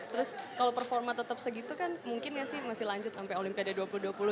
terus kalau performa tetap segitu kan mungkin gak sih masih lanjut sampai olimpiade dua ribu dua puluh